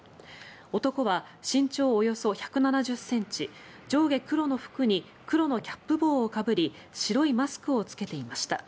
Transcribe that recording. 男は身長およそ１７０ｃｍ上下黒の服に黒のキャップ帽をかぶり白いマスクを着けていました。